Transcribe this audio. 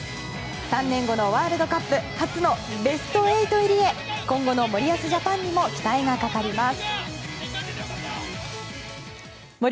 ３年後ワールドカップ初のベスト８入りへ今後の森保ジャパンにも期待がかかります。